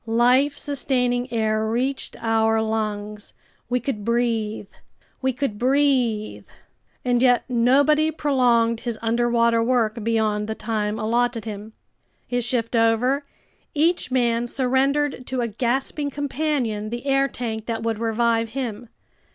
Life sustaining air reached our lungs! We could breathe! We could breathe! And yet nobody prolonged his underwater work beyond the time allotted him. His shift over, each man surrendered to a gasping companion the air tank that would revive him.